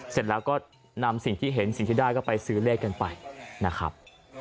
เสร็จแล้วก็นำสิ่งที่เห็นสิ่งที่ได้ก็ไปซื้อเลขกันไปนะครับ